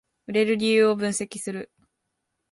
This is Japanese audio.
売れる理由を分析する